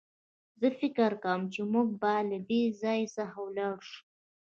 زه فکر کوم چې موږ بايد له دې ځای څخه ولاړ شو.